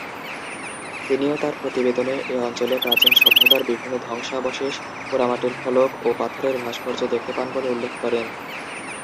তিনিও তার প্রতিবেদনে এ অঞ্চলে প্রাচীন সভ্যতার বিভিন্ন ধ্বংসাবশেষ, পোড়ামাটির ফলক ও পাথরের ভাস্কর্য দেখতে পান বলে উল্লেখ করেন।